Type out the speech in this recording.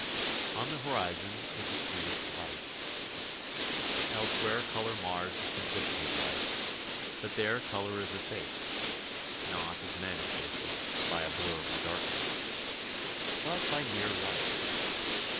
On the horizon is the sweetest light. Elsewhere colour mars the simplicity of light; but there colour is effaced, not as men efface it, by a blur or darkness, but by mere light.